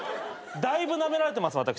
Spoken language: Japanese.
だいぶなめられてます私。